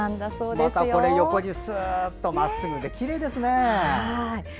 また横にすっとまっすぐできれいですね。